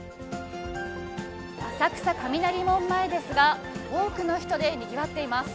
浅草・雷門前ですが、多くの人でにぎわっています。